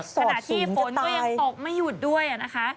ขณะที่ฝนก็ยังตกไม่หยุดด้วยนะคะ